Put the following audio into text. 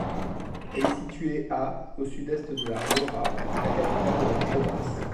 Elle est située à au sud-est de La Rioja, la capitale de la province.